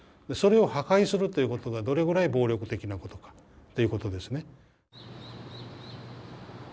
それを破壊するということがどれぐらい暴力的なことかっていうことですね。